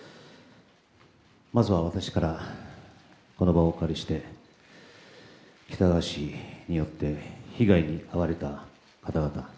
まずは私からこの場をお借りして喜多川氏によって被害に遭われた方々